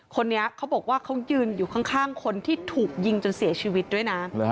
คนนี้เขาบอกว่าเขายืนอยู่ข้างคนที่ถูกยิงจนเสียชีวิตด้วยนะ